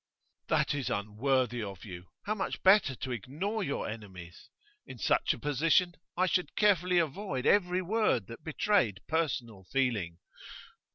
'That is unworthy of you. How much better to ignore your enemies! In such a position, I should carefully avoid every word that betrayed personal feeling.